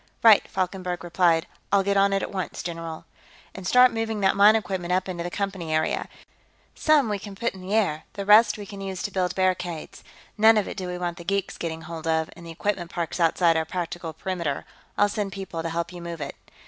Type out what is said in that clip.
"Right," Falkenberg replied. "I'll get on it at once, general." "And start moving that mine equipment up into the Company area. Some of it we can put into the air; the rest we can use to build barricades. None of it do we want the geeks getting hold of, and the equipment park's outside our practical perimeter. I'll send people to help you move it."